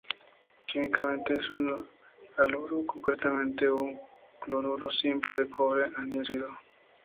Químicamente es un haluro, concretamente un cloruro simple de cobre, anhidro.